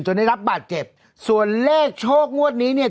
ได้รับบาดเจ็บส่วนเลขโชคงวดนี้เนี่ย